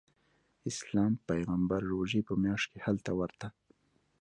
اسلام پیغمبر روژې په میاشت کې هلته ورته.